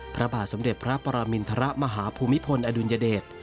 พระบาทสมเด็จพระปรมินทรมาฮภูมิพลอดุลยเดช